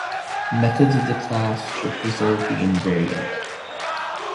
Methods of the class should preserve the invariant.